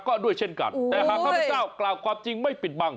ก็ด้วยเช่นกันแต่หากข้าพเจ้ากล่าวความจริงไม่ปิดบัง